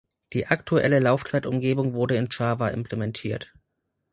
Die aktuelle Laufzeitumgebung wurde in Java implementiert.